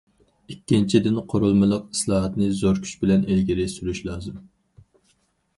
ئىككىنچىدىن، قۇرۇلمىلىق ئىسلاھاتنى زور كۈچ بىلەن ئىلگىرى سۈرۈش لازىم.